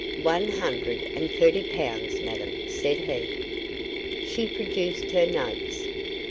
"One hundred and thirty pounds, madam," said he. She produced her notes.